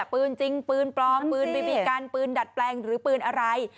ปืนจริงปืนปลอมปืนบีบีกันปืนดัดแปลงหรือปืนอะไร